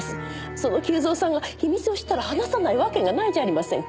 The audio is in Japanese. その久造さんが秘密を知ったら話さないわけがないじゃありませんか。